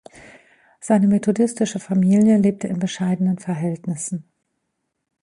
Seine methodistische Familie lebte in bescheidenen Verhältnissen.